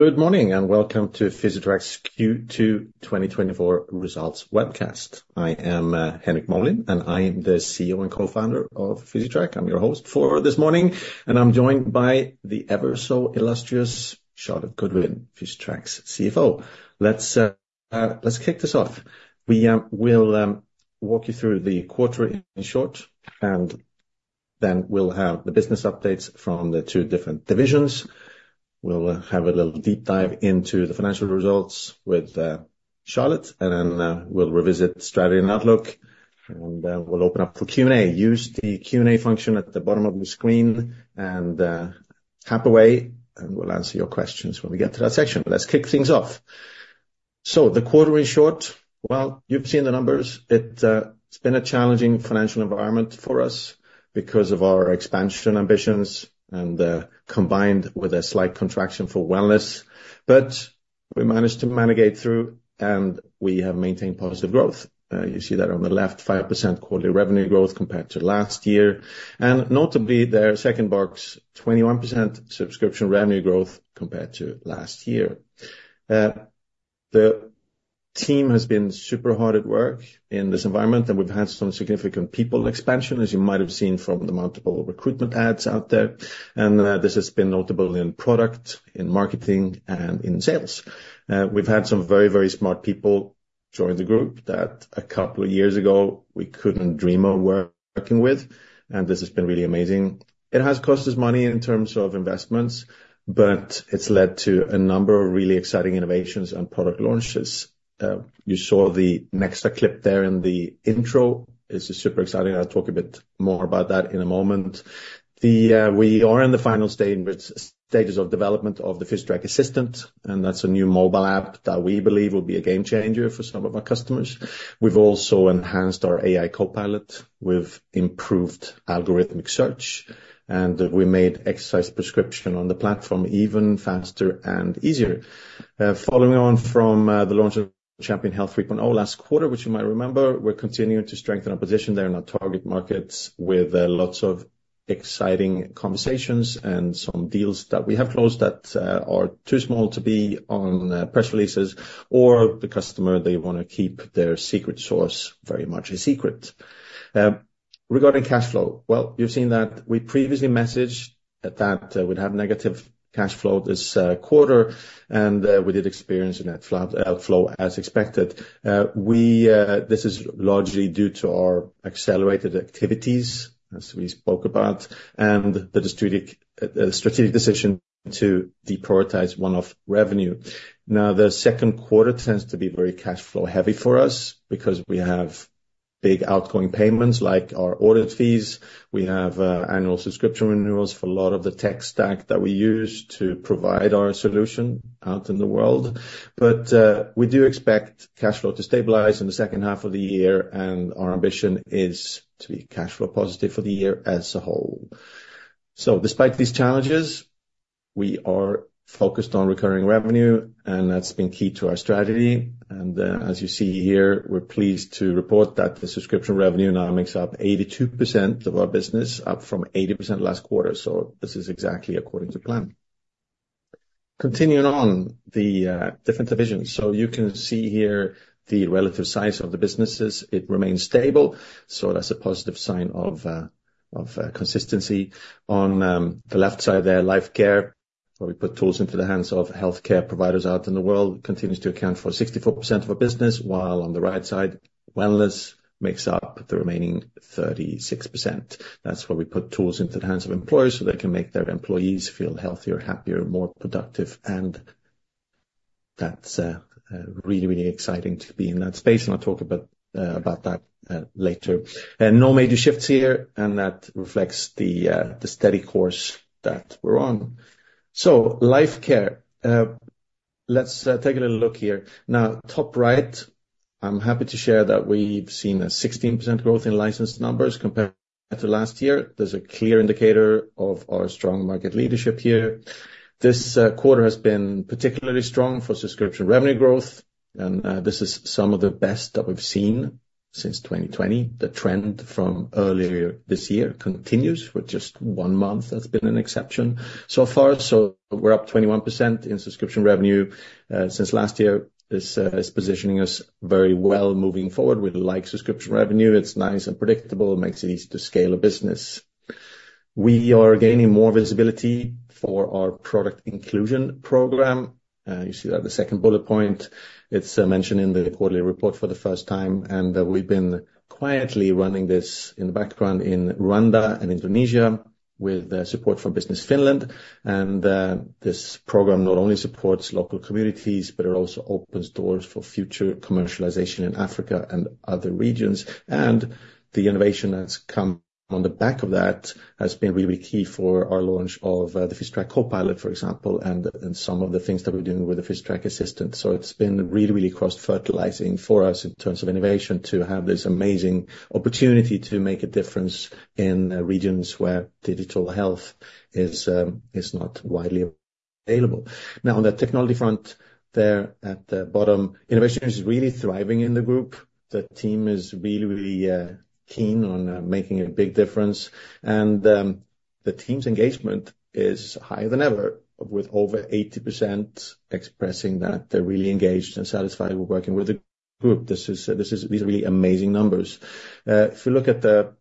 Good morning, and welcome to Physitrack's Q2 2024 results webcast. I am, Henrik Molin, and I am the CEO and Co-founder of Physitrack. I'm your host for this morning, and I'm joined by the ever so illustrious Charlotte Goodwin, Physitrack's CFO. Let's kick this off. We will walk you through the quarter in short, and then we'll have the business updates from the two different divisions. We'll have a little deep dive into the financial results with Charlotte, and then we'll revisit strategy and outlook, and we'll open up for Q&A. Use the Q&A function at the bottom of your screen, and type away, and we'll answer your questions when we get to that section. Let's kick things off. The quarter in short. Well, you've seen the numbers. It's been a challenging financial environment for us because of our expansion ambitions and combined with a slight contraction for wellness. But we managed to navigate through, and we have maintained positive growth. You see that on the left, 5% quarterly revenue growth compared to last year, and notably, their second box, 21% subscription revenue growth compared to last year. The team has been super hard at work in this environment, and we've had some significant people expansion, as you might have seen from the multiple recruitment ads out there, and this has been notably in product, in marketing, and in sales. We've had some very, very smart people join the group that a couple of years ago we couldn't dream of working with, and this has been really amazing. It has cost us money in terms of investments, but it's led to a number of really exciting innovations and product launches. You saw the next clip there in the intro. It's super exciting. I'll talk a bit more about that in a moment. The, We are in the final stage, stages of development of the Physitrack Assistant, and that's a new mobile app that we believe will be a game changer for some of our customers. We've also enhanced our AI copilot with improved algorithmic search, and we made exercise prescription on the platform even faster and easier. Following on from the launch of Champion Health 3.0 last quarter, which you might remember, we're continuing to strengthen our position there in our target markets with lots of exciting conversations and some deals that we have closed that are too small to be on press releases, or the customer, they wanna keep their secret sauce very much a secret. Regarding cash flow, well, you've seen that we previously messaged that we'd have negative cash flow this quarter, and we did experience a net flat outflow as expected. This is largely due to our accelerated activities, as we spoke about, and the strategic decision to deprioritize one-off revenue. Now, the second quarter tends to be very cash flow heavy for us because we have big outgoing payments, like our audit fees. We have annual subscription renewals for a lot of the tech stack that we use to provide our solution out in the world. But we do expect cash flow to stabilize in the second half of the year, and our ambition is to be cash flow positive for the year as a whole. So despite these challenges, we are focused on recurring revenue, and that's been key to our strategy. And as you see here, we're pleased to report that the subscription revenue now makes up 82% of our business, up from 80% last quarter. So this is exactly according to plan. Continuing on, the different divisions. So you can see here the relative size of the businesses. It remains stable, so that's a positive sign of consistency. On the left side there, Lifecare, where we put tools into the hands of healthcare providers out in the world, continues to account for 64% of our business, while on the right side, Wellness makes up the remaining 36%. That's where we put tools into the hands of employers so they can make their employees feel healthier, happier, more productive, and that's really, really exciting to be in that space. And I'll talk about that later. No major shifts here, and that reflects the steady course that we're on. So Lifecare. Let's take a little look here. Now, top right, I'm happy to share that we've seen a 16% growth in license numbers compared to last year. There's a clear indicator of our strong market leadership here. This quarter has been particularly strong for subscription revenue growth, and this is some of the best that we've seen since 2020. The trend from earlier this year continues, with just one month that's been an exception so far. So we're up 21% in subscription revenue since last year. This is positioning us very well moving forward. We like subscription revenue. It's nice and predictable, makes it easy to scale a business. We are gaining more visibility for our product inclusion program. You see that the second bullet point, it's mentioned in the quarterly report for the first time, and we've been quietly running this in the background in Rwanda and Indonesia with support from Business Finland. This program not only supports local communities, but it also opens doors for future commercialization in Africa and other regions. And the innovation that's come on the back of that has been really key for our launch of the Physitrack Copilot, for example, and some of the things that we're doing with the Physitrack Assistant. So it's been really, really cross-fertilizing for us in terms of innovation to have this amazing opportunity to make a difference in regions where digital health is not widely available. Now, on the technology front there at the bottom, innovation is really thriving in the group. The team is really, really keen on making a big difference, and the team's engagement is higher than ever, with over 80% expressing that they're really engaged and satisfied with working with the. Good. These are really amazing numbers. If you look at the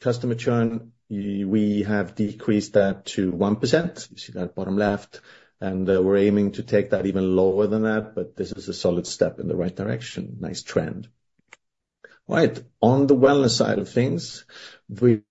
customer churn, we have decreased that to 1%. You see that bottom left, and we're aiming to take that even lower than that, but this is a solid step in the right direction. Nice trend. Right, on the wellness side of things, we've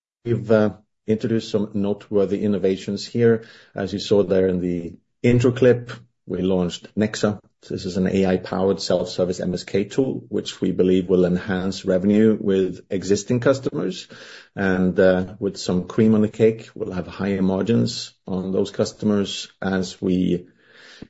introduced some noteworthy innovations here. As you saw there in the intro clip, we launched Nexa. This is an AI-powered self-service MSK tool, which we believe will enhance revenue with existing customers, and with some cream on the cake, we'll have higher margins on those customers as we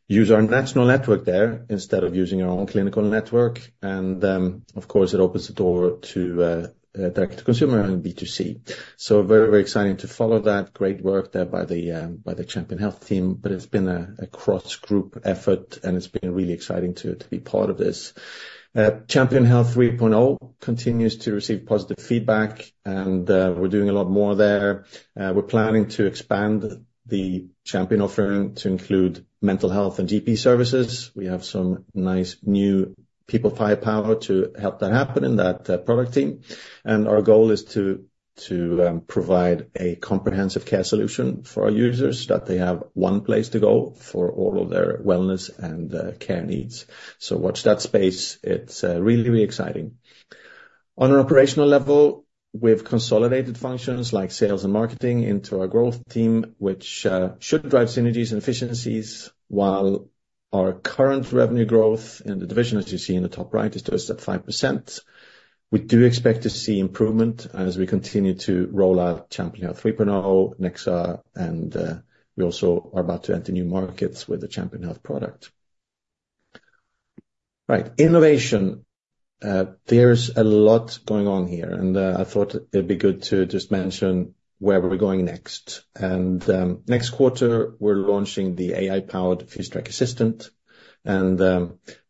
use our national network there, instead of using our own clinical network. And, of course, it opens the door to direct-to-consumer and B2C. So very, very exciting to follow that. Great work there by the Champion Health team, but it's been a cross-group effort, and it's been really exciting to be part of this. Champion Health 3.0 continues to receive positive feedback, and we're doing a lot more there. We're planning to expand the Champion offering to include mental health and GP services. We have some nice new people power to help that happen in that product team. And our goal is to provide a comprehensive care solution for our users, that they have one place to go for all of their wellness and care needs. So watch that space. It's really, really exciting. On an operational level, we've consolidated functions, like sales and marketing, into our growth team, which should drive synergies and efficiencies, while our current revenue growth in the division, as you see in the top right, is just at 5%. We do expect to see improvement as we continue to roll out Champion Health 3.0, Nexa, and we also are about to enter new markets with the Champion Health product. Right. Innovation. There's a lot going on here, and I thought it'd be good to just mention where we're going next. Next quarter, we're launching the AI-powered Physitrack Assistant, and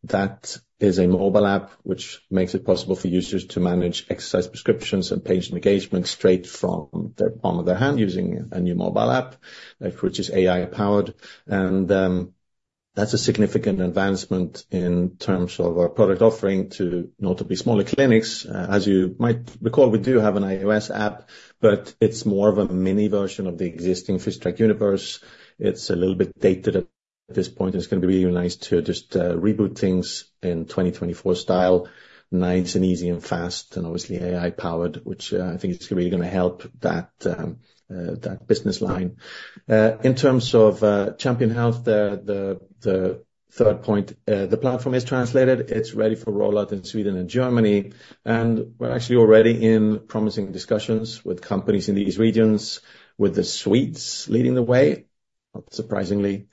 that is a mobile app, which makes it possible for users to manage exercise prescriptions and patient engagement straight from their palm of their hand, using a new mobile app, which is AI-powered. That's a significant advancement in terms of our product offering to notably smaller clinics. As you might recall, we do have an iOS app, but it's more of a mini version of the existing Physitrack universe. It's a little bit dated at this point. It's gonna be really nice to just, reboot things in 2024 style. Nice and easy and fast, and obviously AI-powered, which, I think is really gonna help that, that business line. In terms of Champion Health, the third point, the platform is translated. It's ready for rollout in Sweden and Germany, and we're actually already in promising discussions with companies in these regions, with the Swedes leading the way, not surprisingly.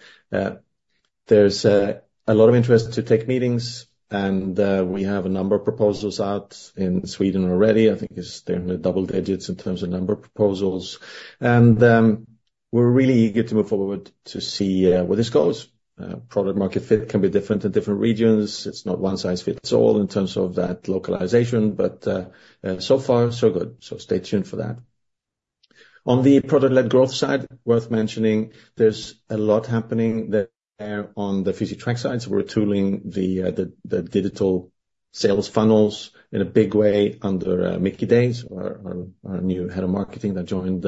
There's a lot of interest to take meetings, and we have a number of proposals out in Sweden already. I think it's they're in the double digits in terms of number of proposals. And we're really eager to move forward to see where this goes. Product market fit can be different in different regions. It's not one-size-fits-all in terms of that localization, but so far, so good. So stay tuned for that. On the product-led growth side, worth mentioning, there's a lot happening there on the Physitrack side. We're tooling the digital sales funnels in a big way under Mickey de Vries, our new head of marketing that joined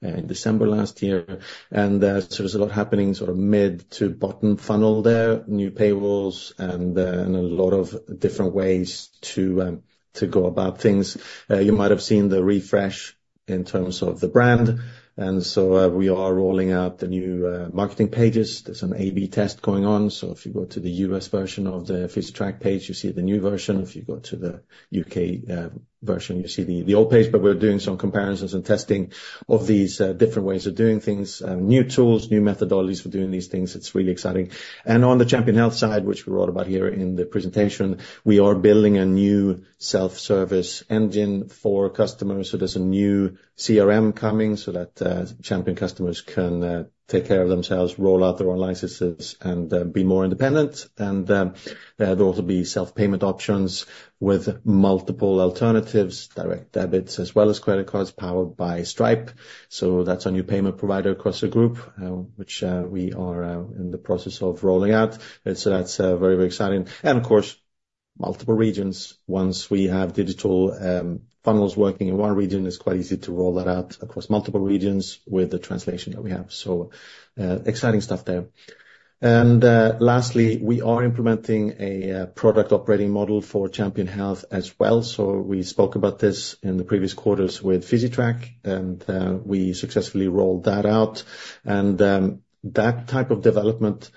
in December last year. And so there's a lot happening sort of mid to bottom funnel there, new paywalls and a lot of different ways to go about things. You might have seen the refresh in terms of the brand, and so we are rolling out the new marketing pages. There's an AB test going on, so if you go to the U.S. version of the Physitrack page, you see the new version. If you go to the UK version, you see the old page, but we're doing some comparisons and testing of these different ways of doing things, new tools, new methodologies for doing these things. It's really exciting. On the Champion Health side, which we wrote about here in the presentation, we are building a new self-service engine for customers, so there's a new CRM coming so that Champion customers can take care of themselves, roll out their own licenses and be more independent. There'll also be self-payment options with multiple alternatives, direct debits as well as credit cards, powered by Stripe. So that's our new payment provider across the group, which we are in the process of rolling out. So that's very, very exciting. Of course, multiple regions. Once we have digital funnels working in one region, it's quite easy to roll that out across multiple regions with the translation that we have. So, exciting stuff there. And lastly, we are implementing a product operating model for Champion Health as well. So we spoke about this in the previous quarters with Physitrack, and we successfully rolled that out. And that type of development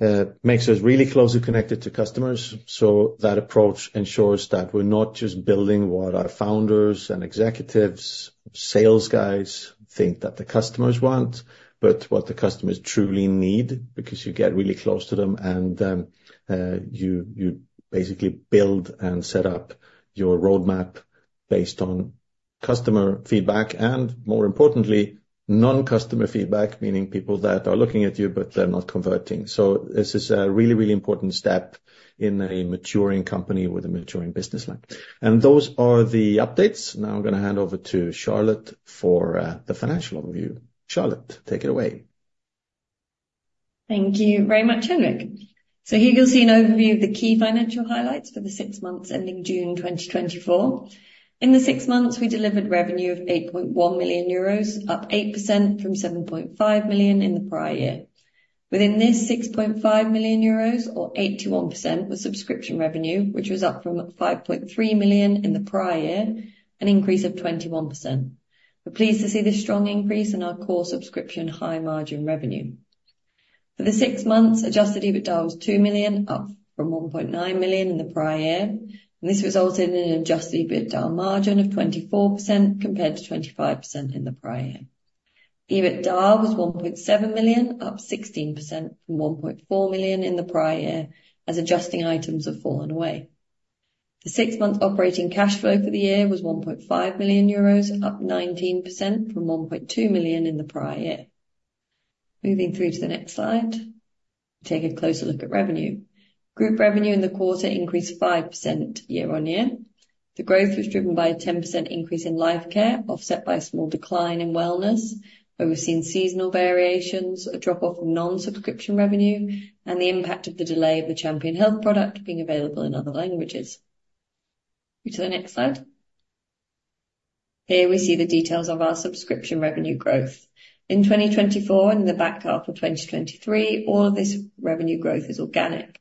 makes us really closely connected to customers, so that approach ensures that we're not just building what our founders and executives, sales guys think that the customers want, but what the customers truly need, because you get really close to them, and you basically build and set up your roadmap based on customer feedback, and more importantly, non-customer feedback, meaning people that are looking at you, but they're not converting. This is a really, really important step in a maturing company with a maturing business line. Those are the updates. Now I'm gonna hand over to Charlotte for the financial overview. Charlotte, take it away.... Thank you very much, Henrik. Here you'll see an overview of the key financial highlights for the six months ending June 2024. In the six months, we delivered revenue of 8.1 million euros, up 8% from 7.5 million in the prior year. Within this, 6.5 million euros or 81% was subscription revenue, which was up from 5.3 million in the prior year, an increase of 21%. We're pleased to see this strong increase in our core subscription high margin revenue. For the six months, adjusted EBITDA was 2 million, up from 1.9 million in the prior year, and this resulted in an adjusted EBITDA margin of 24% compared to 25% in the prior year. EBITDA was 1.7 million, up 16% from 1.4 million in the prior year, as adjusting items have fallen away. The six-month operating cash flow for the year was 1.5 million euros, up 19% from 1.2 million in the prior year. Moving through to the next slide, take a closer look at revenue. Group revenue in the quarter increased 5% year-on-year. The growth was driven by a 10% increase in life care, offset by a small decline in wellness, where we've seen seasonal variations, a drop-off in non-subscription revenue, and the impact of the delay of the Champion Health product being available in other languages. To the next slide. Here we see the details of our subscription revenue growth. In 2024 and in the back half of 2023, all of this revenue growth is organic.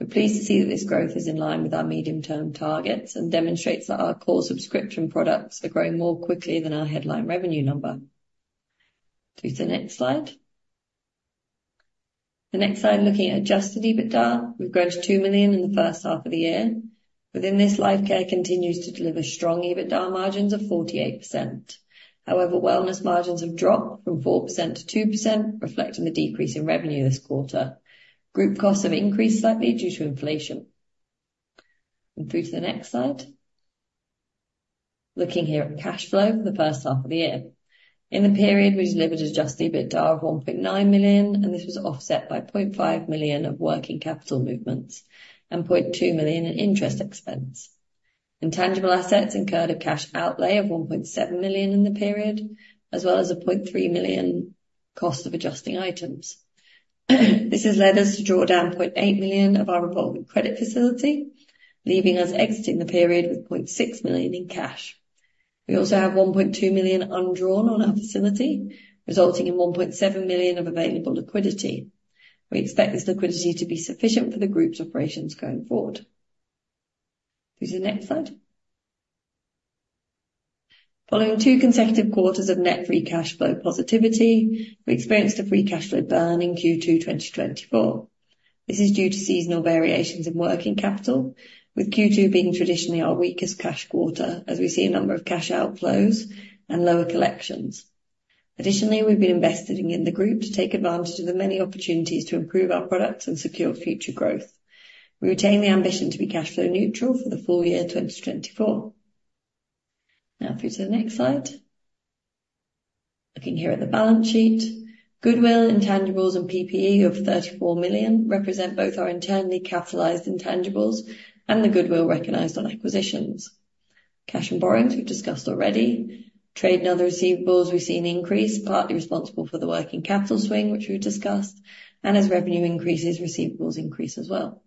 We're pleased to see that this growth is in line with our medium-term targets and demonstrates that our core subscription products are growing more quickly than our headline revenue number. Through to the next slide. The next slide, looking at adjusted EBITDA, we've grown to 2 million in the first half of the year. Within this, Lifecare continues to deliver strong EBITDA margins of 48%. However, Wellness margins have dropped from 4% to 2%, reflecting the decrease in revenue this quarter. Group costs have increased slightly due to inflation. Through to the next slide. Looking here at cash flow for the first half of the year. In the period, we delivered adjusted EBITDA of 1.9 million, and this was offset by 0.5 million of working capital movements and 0.2 million in interest expense. Intangible assets incurred a cash outlay of 1.7 million in the period, as well as a 0.3 million cost of adjusting items. This has led us to draw down 0.8 million of our revolving credit facility, leaving us exiting the period with 0.6 million in cash. We also have 1.2 million undrawn on our facility, resulting in 1.7 million of available liquidity. We expect this liquidity to be sufficient for the group's operations going forward. Through to the next slide. Following two consecutive quarters of net free cash flow positivity, we experienced a free cash flow burn in Q2 2024. This is due to seasonal variations in working capital, with Q2 being traditionally our weakest cash quarter as we see a number of cash outflows and lower collections. Additionally, we've been investing in the group to take advantage of the many opportunities to improve our products and secure future growth. We retain the ambition to be cash flow neutral for the full year 2024. Now, through to the next slide. Looking here at the balance sheet, goodwill, intangibles, and PPE of 34 million represent both our internally capitalized intangibles and the goodwill recognized on acquisitions. Cash and borrowings, we've discussed already. Trade and other receivables, we've seen an increase, partly responsible for the working capital swing, which we've discussed, and as revenue increases, receivables increase as well.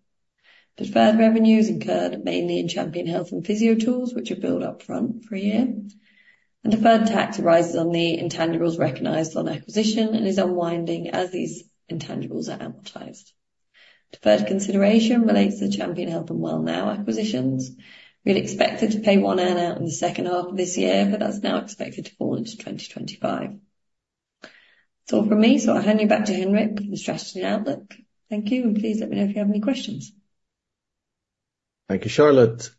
Deferred revenues incurred mainly in Champion Health and Physiotools, which are built up front for a year, and deferred tax arises on the intangibles recognized on acquisition and is unwinding as these intangibles are amortized. Deferred consideration relates to the Champion Health and Wellnow acquisitions. We had expected to pay one earn-out in the second half of this year, but that's now expected to fall into 2025. That's all from me, so I'll hand you back to Henrik for the strategy outlook. Thank you, and please let me know if you have any questions. Thank you, Charlotte.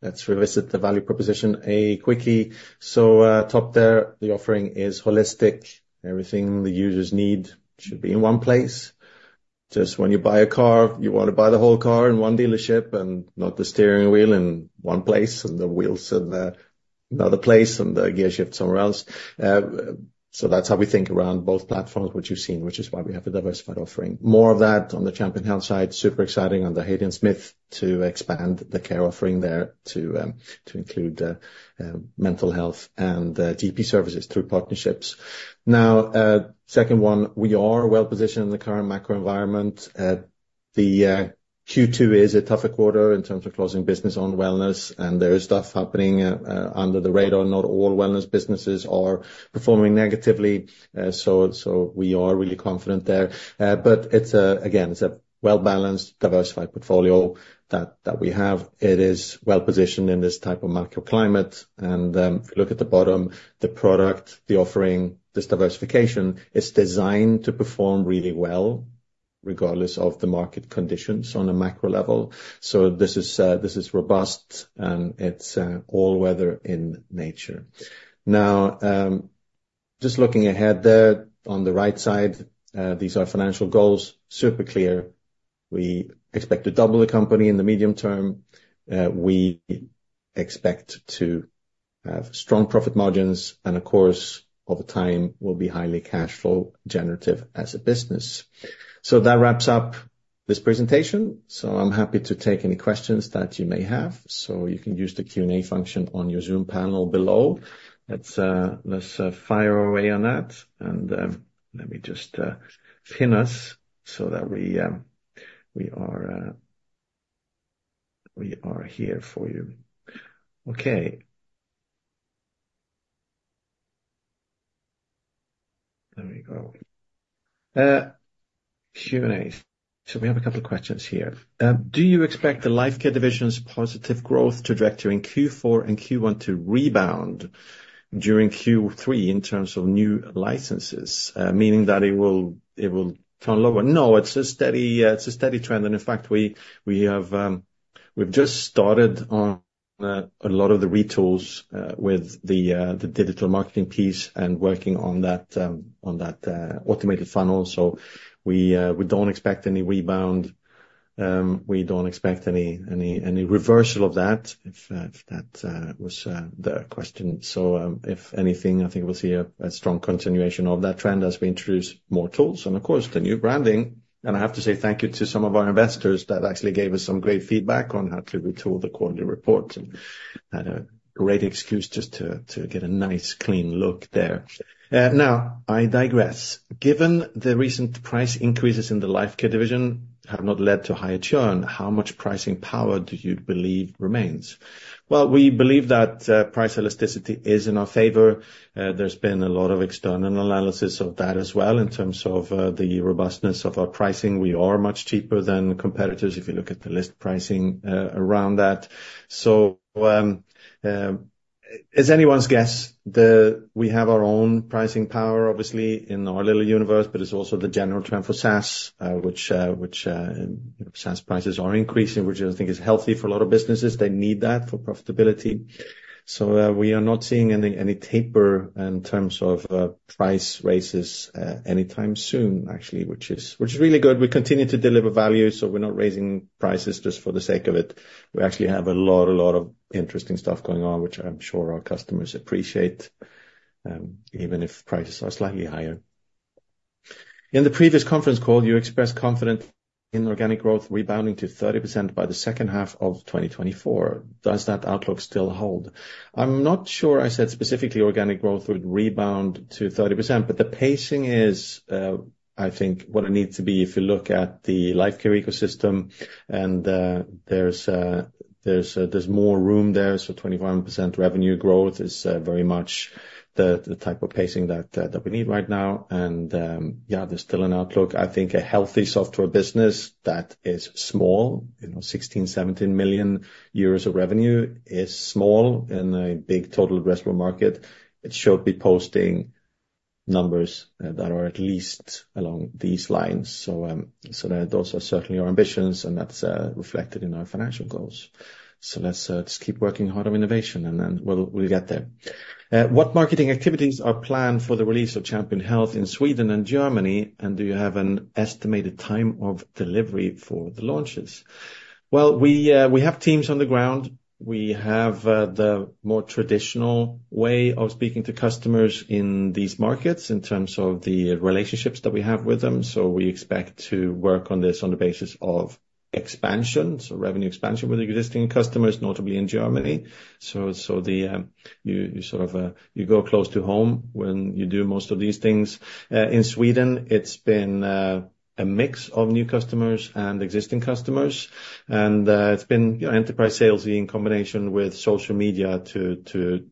Let's revisit the value proposition quickly. Top there, the offering is holistic. Everything the users need should be in one place. Just when you buy a car, you want to buy the whole car in one dealership and not the steering wheel in one place and the wheels in another place and the gearshift somewhere else. So that's how we think around both platforms, which you've seen, which is why we have a diversified offering. More of that on the Champion Health side. Super exciting on the horizon to expand the care offering there to include mental health and GP services through partnerships. Now, second one, we are well-positioned in the current macro environment. The Q2 is a tougher quarter in terms of closing business on wellness, and there is stuff happening under the radar. Not all wellness businesses are performing negatively, so we are really confident there. But it's a... Again, it's a well-balanced, diversified portfolio that we have. It is well-positioned in this type of macro climate. And if you look at the bottom, the product, the offering, this diversification is designed to perform really well regardless of the market conditions on a macro level. So this is, this is robust, and it's all weather in nature. Now, just looking ahead there, on the right side, these are our financial goals, super clear. We expect to double the company in the medium term. We expect to have strong profit margins, and of course, over time, we'll be highly cash flow generative as a business. So that wraps up this presentation, so I'm happy to take any questions that you may have. So you can use the Q&A function on your Zoom panel below. Let's, let's, fire away on that, and, let me just, pin us so that we, we are, we are here for you. Okay. There we go. Q&A. So we have a couple of questions here. Do you expect the Lifecare Division's positive growth trajectory in Q4 and Q1 to rebound during Q3 in terms of new licenses, meaning that it will, it will turn lower? No, it's a steady trend, and in fact, we have just started on a lot of the retools with the digital marketing piece and working on that automated funnel. So we don't expect any rebound. We don't expect any reversal of that, if that was the question. So, if anything, I think we'll see a strong continuation of that trend as we introduce more tools and, of course, the new branding. And I have to say thank you to some of our investors that actually gave us some great feedback on how to retool the quarterly report, and had a great excuse just to get a nice, clean look there. Now, I digress. Given the recent price increases in the Lifecare Division have not led to higher churn, how much pricing power do you believe remains? Well, we believe that, price elasticity is in our favor. There's been a lot of external analysis of that as well in terms of, the robustness of our pricing. We are much cheaper than competitors if you look at the list pricing, around that. So, it's anyone's guess. We have our own pricing power, obviously, in our little universe, but it's also the general trend for SaaS, which SaaS prices are increasing, which I think is healthy for a lot of businesses. They need that for profitability. So, we are not seeing any taper in terms of, price raises, anytime soon, actually, which is really good. We continue to deliver value, so we're not raising prices just for the sake of it. We actually have a lot, a lot of interesting stuff going on, which I'm sure our customers appreciate, even if prices are slightly higher. In the previous conference call, you expressed confidence in organic growth rebounding to 30% by the second half of 2024. Does that outlook still hold? I'm not sure I said specifically organic growth would rebound to 30%, but the pacing is, I think, what it needs to be if you look at the Lifecare ecosystem and, there's more room there, so 21% revenue growth is, very much the type of pacing that we need right now. And, yeah, there's still an outlook. I think a healthy software business that is small, you know, 16-17 million euros of revenue is small in a big total addressable market. It should be posting numbers that are at least along these lines. So, so those are certainly our ambitions, and that's, reflected in our financial goals. So let's, just keep working hard on innovation, and then we'll, we'll get there. What marketing activities are planned for the release of Champion Health in Sweden and Germany, and do you have an estimated time of delivery for the launches? Well, we, we have teams on the ground. We have, the more traditional way of speaking to customers in these markets in terms of the relationships that we have with them, so we expect to work on this on the basis of expansion, so revenue expansion with existing customers, notably in Germany. So the, you sort of, you go close to home when you do most of these things. In Sweden, it's been a mix of new customers and existing customers, and it's been, you know, enterprise salesy in combination with social media to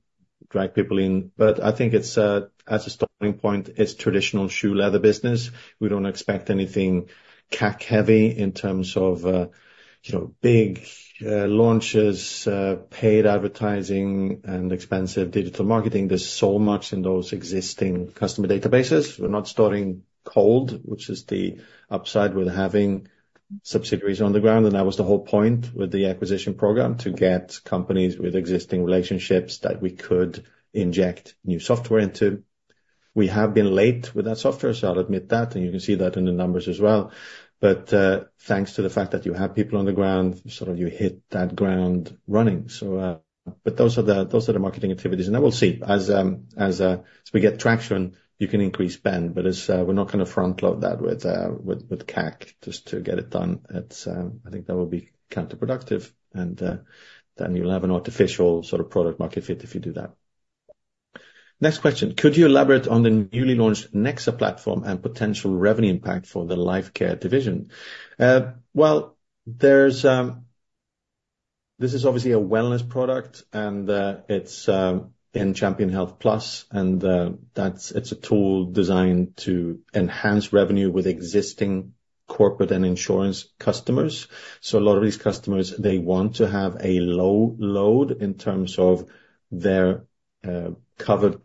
drag people in. But I think it's, as a starting point, it's traditional shoe leather business. We don't expect anything CAC heavy in terms of, you know, big launches, paid advertising and expensive digital marketing. There's so much in those existing customer databases. We're not starting cold, which is the upside with having subsidiaries on the ground, and that was the whole point with the acquisition program, to get companies with existing relationships that we could inject new software into. We have been late with that software, so I'll admit that, and you can see that in the numbers as well. But, thanks to the fact that you have people on the ground, sort of you hit that ground running. So, but those are the, those are the marketing activities, and then we'll see. As, as we get traction, you can increase spend, but as, we're not gonna front load that with, with CAC just to get it done. It's, I think that would be counterproductive, and, then you'll have an artificial sort of product market fit if you do that. Next question: Could you elaborate on the newly launched Nexa platform and potential revenue impact for the Lifecare division? Well, there's... This is obviously a wellness product, and it's in Champion Health Plus, and it's a tool designed to enhance revenue with existing corporate and insurance customers. So a lot of these customers, they want to have a low load in terms of their covered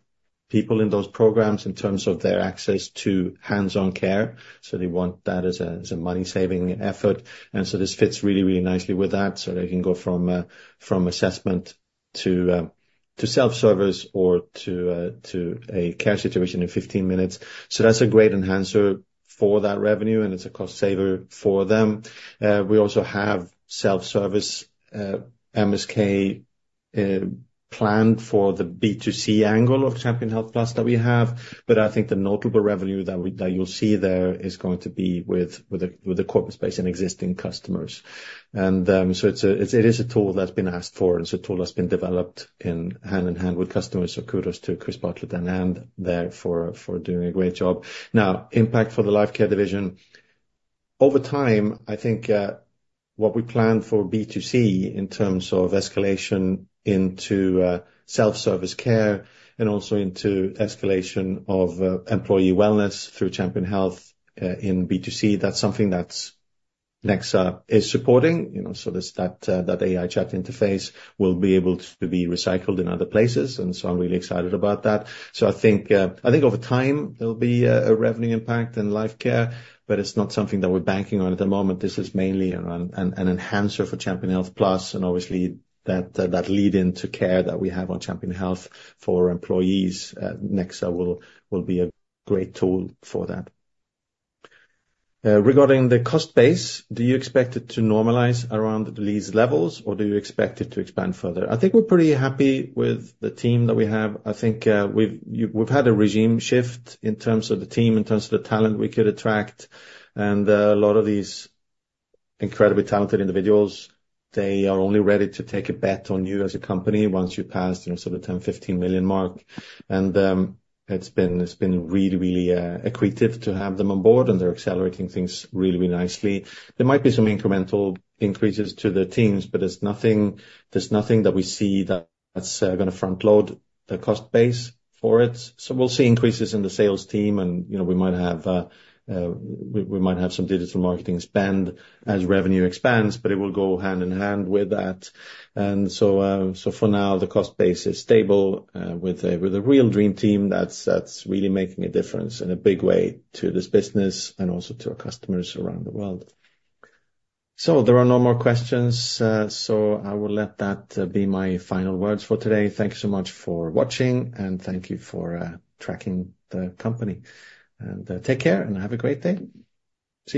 people in those programs, in terms of their access to hands-on care. So they want that as a, as a money-saving effort, and so this fits really, really nicely with that. So they can go from assessment to self-service or to a care situation in 15 minutes. So that's a great enhancer for that revenue, and it's a cost saver for them. We also have self-service, MSK-... Planned for the B2C angle of Champion Health Plus that we have, but I think the notable revenue that we, that you'll see there is going to be with the corporate space and existing customers. And, so it's a, it is a tool that's been asked for, and it's a tool that's been developed in hand-in-hand with customers. So kudos to Chris Bartlett and Anne there for doing a great job. Now, impact for the Lifecare division. Over time, I think, what we plan for B2C in terms of escalation into self-service care and also into escalation of employee wellness through Champion Health, in B2C, that's something that's Nexa is supporting. You know, so that's, that AI chat interface will be able to be recycled in other places, and so I'm really excited about that. So I think, I think over time, there'll be a revenue impact in Lifecare, but it's not something that we're banking on at the moment. This is mainly around an enhancer for Champion Health Plus, and obviously, that that lead-in to care that we have on Champion Health for employees, Nexa will be a great tool for that. Regarding the cost base, do you expect it to normalize around these levels, or do you expect it to expand further? I think we're pretty happy with the team that we have. I think, we've had a regime shift in terms of the team, in terms of the talent we could attract, and a lot of these incredibly talented individuals, they are only ready to take a bet on you as a company once you've passed sort of 10-15 million mark. It's been, it's been really, really accretive to have them on board, and they're accelerating things really, really nicely. There might be some incremental increases to the teams, but there's nothing, there's nothing that we see that's gonna front-load the cost base for it. So we'll see increases in the sales team, and, you know, we might have, we might have some digital marketing spend as revenue expands, but it will go hand in hand with that. And so for now, the cost base is stable with a real dream team that's really making a difference in a big way to this business and also to our customers around the world. So there are no more questions, I will let that be my final words for today. Thank you so much for watching, and thank you for tracking the company. And take care, and have a great day. See you!